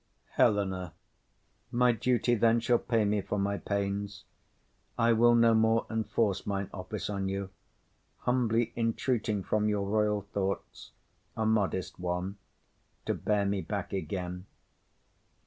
HELENA. My duty then shall pay me for my pains. I will no more enforce mine office on you, Humbly entreating from your royal thoughts A modest one to bear me back again.